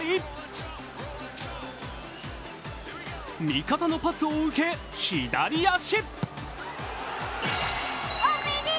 味方のパスを受け、左足！